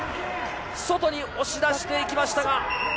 外に押し出していきましたが。